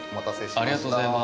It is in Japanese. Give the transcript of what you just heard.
ありがとうございます。